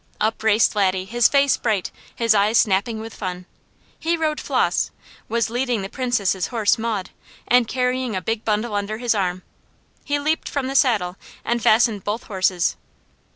Up raced Laddie, his face bright, his eyes snapping with fun. He rode Flos, was leading the Princess' horse Maud, and carrying a big bundle under his arm. He leaped from the saddle and fastened both horses.